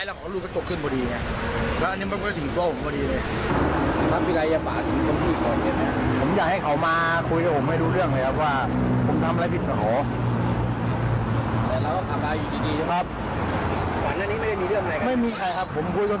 หัวหน้านี้ไม่มีเรื่องอะไรข้างเนี่ย